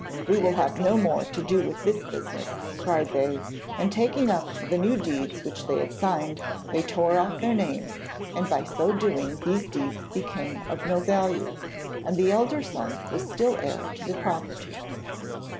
'We will have no more to do with this business,' cried they, and, taking up the new deeds which they had signed, they tore off their names, and by so doing these deeds became of no value, and the elder son was still heir to the property.